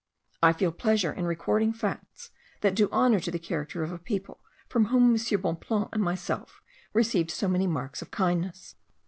I feel pleasure in recording facts that do honour to the character of a people from whom M. Bonpland and myself received so many marks of kindness.